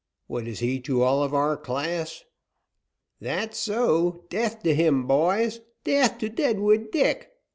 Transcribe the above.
What is he to all of our class?" "That's so. Death to him, boys; death to Deadwood Dick!